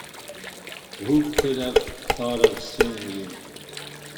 Who could have thought of seeing you!